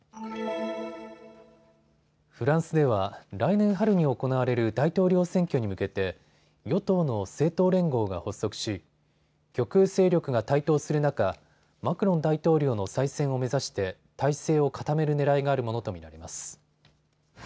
フランスでは来年春に行われる大統領選挙に向けて与党の政党連合が発足し極右勢力が台頭する中、マクロン大統領の再選を目指して態勢を固めるねらいがあるものと見られます。